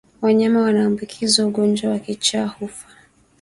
Wanyama wanaoambukizwa ugonjwa wa kichaa hufa